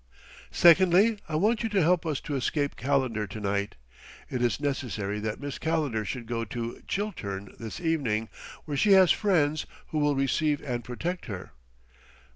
"Secondly, I want you to help us to escape Calendar to night. It is necessary that Miss Calendar should go to Chiltern this evening, where she has friends who will receive and protect her."